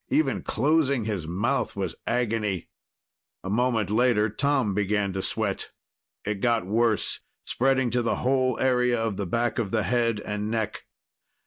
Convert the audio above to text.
Even closing his mouth was agony. A moment later, Tom began to sweat. It got worse, spreading to the whole area of the back of the head and neck.